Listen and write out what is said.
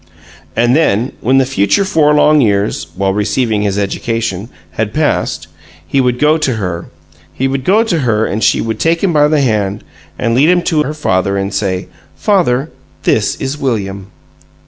And then, when the future four long years (while receiving his education) had passed, he would go to her. He would go to her, and she would take him by the hand, and lead him to her father, and say, "Father, this is William."